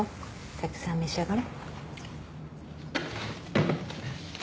たくさん召し上がれ。